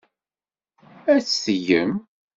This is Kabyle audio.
Ad tt-tgem.